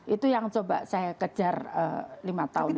itu yang coba saya kejar lima tahun